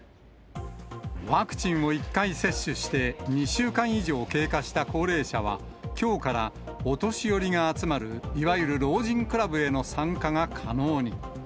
ワクチンを１回接種して２週間以上経過した高齢者は、きょうからお年寄りが集まるいわゆる老人クラブへの参加が可能に。